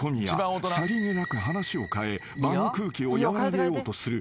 さりげなく話をかえ場の空気を和らげようとする］